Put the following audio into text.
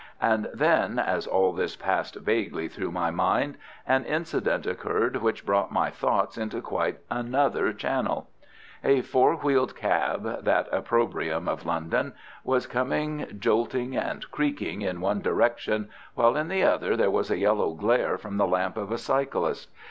And then, as all this passed vaguely through my mind, an incident occurred which brought my thoughts into quite another channel. A four wheeled cab, that opprobrium of London, was coming jolting and creaking in one direction, while in the other there was a yellow glare from the lamp of a cyclist.